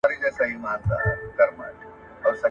که خلګو ستا قدر ونه کړ، ځای بدل کړه.